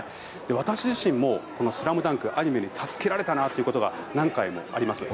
私自身も「ＳＬＡＭＤＵＮＫ」アニメに助けられたなということが何回もあります。